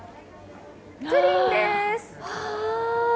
プリンです。